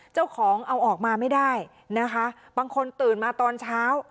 เจ้าของเอาออกมาไม่ได้นะคะบางคนตื่นมาตอนเช้า